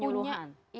yang punya yang punya